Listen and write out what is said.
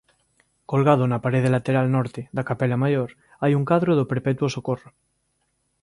Colgado na parede lateral norte da capela maior hai un cadro do Perpetuo Socorro.